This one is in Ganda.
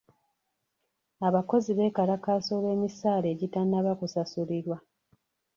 Abakozi bekalakaasa olw'emisaala egitannaba kusasulirwa.